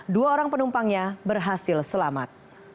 dua orang penumpangnya berhasil selamat